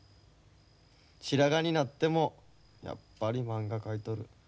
白髪になってもやっぱりまんが描いとる。